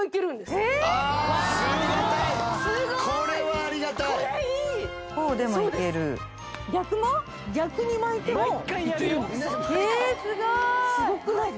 すごーい！